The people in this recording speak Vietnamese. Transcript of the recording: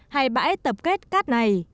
hay bãi tập kết cát này